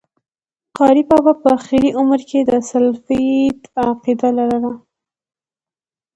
قاري بابا په آخري عمر کي د سلفيت عقيده لرله